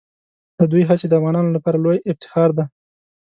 د دوی هڅې د افغانانو لپاره لویه افتخار دي.